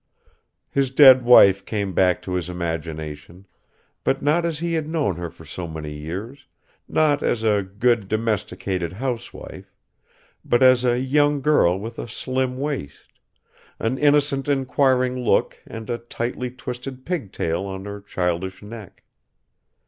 His dead wife came back to his imagination, but not as he had known her for so many years, not as a good domesticated housewife, but as a young girl with a slim waist, an innocent inquiring look and a tightly twisted pigtail on her childish neck.